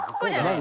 何？